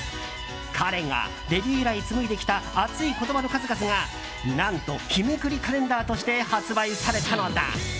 彼がデビュー以来、紡いできた熱い言葉の数々が何と、日めくりカレンダーとして発売されたのだ。